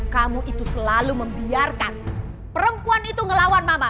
kamu itu selalu membiarkan perempuan itu ngelawan mama